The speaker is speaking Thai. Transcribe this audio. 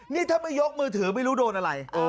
นี่ถ้าไม่ยกมือถือไม่รู้โดนอะไร